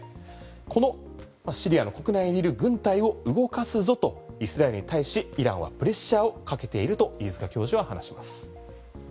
このシリアの国内にいる軍隊を動かすぞと、イスラエルに対しイランはプレッシャーをかけていると飯塚教授は話します。